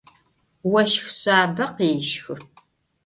Voşx şsabe khêşxı.